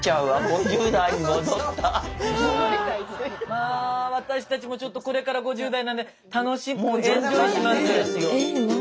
まあ私たちもちょっとこれから５０代なんで楽しくエンジョイします。